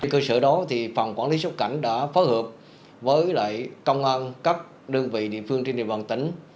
cơ sở đó thì phòng quản lý xuất cảnh đã phó hợp với lại công an các đơn vị địa phương trên địa phương tỉnh